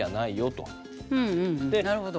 なるほど。